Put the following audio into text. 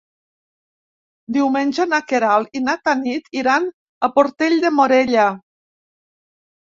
Diumenge na Queralt i na Tanit iran a Portell de Morella.